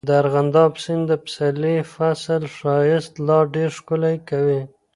د ارغنداب سیند د پسرلي فصل ښایست لا ډېر ښکلی کوي.